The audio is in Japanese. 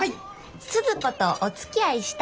スズ子とおつきあいしたって。